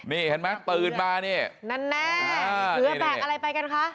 นี่เห็นไหมตื่นมานี่นั่นแน่เผื่อแปลกอะไรไปกันค่ะ